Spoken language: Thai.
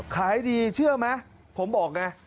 ขายดีเชื่อไหมผมบอกไง